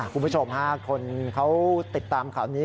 คุณผู้ชมฮะคนเขาติดตามข่าวนี้